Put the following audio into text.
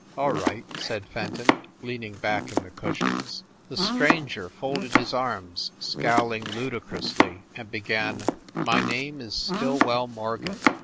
"All right," said Fenton, leaning back in the cushions. The stranger folded his arms, scowling ludi crously, and began: "My name is Stillwell Mor gan."